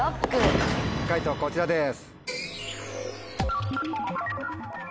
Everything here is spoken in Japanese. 解答こちらです。